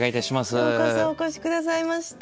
ようこそお越し下さいました。